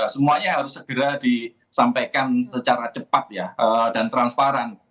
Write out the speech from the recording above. semuanya harus segera disampaikan secara cepat dan transparan